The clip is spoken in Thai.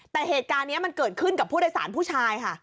แต่เหตุการณ์นี้มันเกิดขึ้นกับผู้โดยสารผู้ชายค่ะ